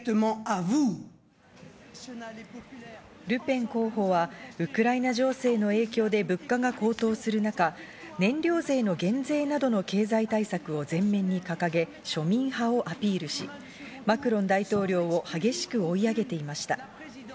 ルペン候補はウクライナ情勢の影響で物価が高騰する中、燃料税の減税などの経済対策を前面に掲げ、庶民派をアピールし、マクロン大統領は激しく追い上げていました。